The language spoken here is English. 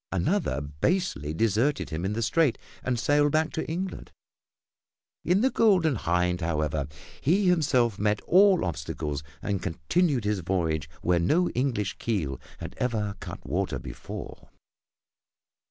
Another basely deserted him in the Strait and sailed back to England. In the Golden Hind, however, he himself met all obstacles and continued his voyage where no English keel had ever cut water before.